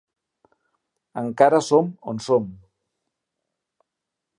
Encara som on som.